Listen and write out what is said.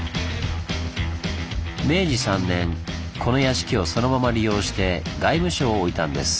明治３年この屋敷をそのまま利用して外務省を置いたんです。